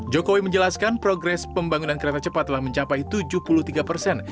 jokowi menjelaskan progres pembangunan kereta cepat telah mencapai tujuh puluh tiga persen